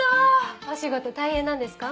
お仕事大変なんですか？